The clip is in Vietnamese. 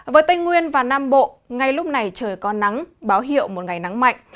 với tây nguyên và nam bộ ngay lúc này trời có nắng báo hiệu một ngày nắng mạnh